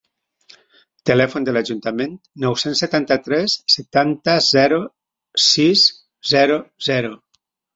Telèfon de l'Ajuntament: nou-cents setanta-tres setanta zero sis zero zero.